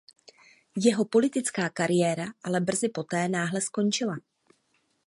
Jeho politická kariéra ale brzy poté náhle skončila.